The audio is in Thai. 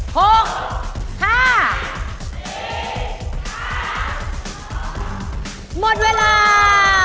หมดเวลา